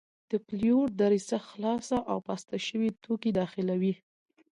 د پلیور دریڅه خلاصه او پاسته شوي توکي داخلوي.